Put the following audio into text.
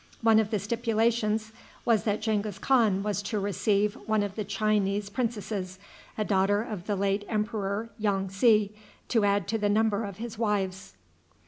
One of the stipulations was that Genghis Khan was to receive one of the Chinese princesses, a daughter of the late emperor Yong tsi, to add to the number of his wives.